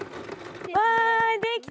わいできた！